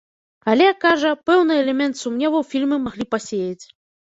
Але, кажа, пэўны элемент сумневу фільмы маглі пасеяць.